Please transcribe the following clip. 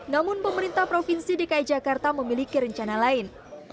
namun pemerintah provinsi dki jakarta memiliki rencana lain